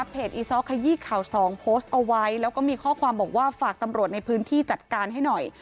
อีซ้อขยี้ข่าวสองโพสต์เอาไว้แล้วก็มีข้อความบอกว่าฝากตำรวจในพื้นที่จัดการให้หน่อย